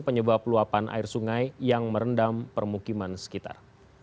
penyebab luapan air sungai yang merendam permukiman sekitar